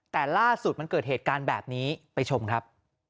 แต่ล่าสุดมันเกิดเหตุการณ์แบบนี้ไปชมครับ